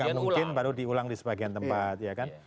kalau nggak mungkin baru diulang di sebagian tempat